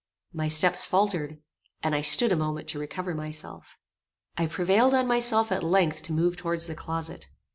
My steps faultered, and I stood a moment to recover myself. I prevailed on myself at length to move towards the closet.